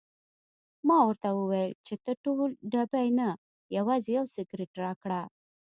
ما ورته وویل چې نه ټول ډبې نه، یوازې یو سګرټ راکړه.